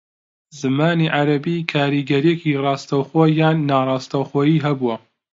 زمانی عەرەبی کاریگەرییەکی ڕاستەوخۆ یان ناڕاستەوخۆیی ھەبووە